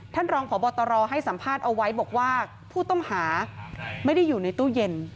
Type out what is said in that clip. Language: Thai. รองพบตรให้สัมภาษณ์เอาไว้บอกว่าผู้ต้องหาไม่ได้อยู่ในตู้เย็น